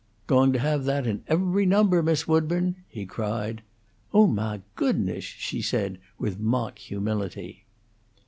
"Going to have that in every number, Miss Woodburn!" he cried. "Oh, mah goodness!" she said, with mock humility.